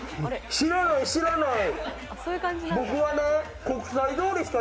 僕、これ知らない知らない。